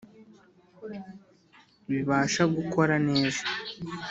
bibasha gukora neza .